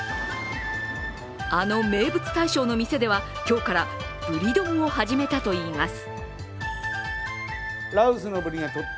あの名物大将の店では今日からブリ丼を始めたといいます。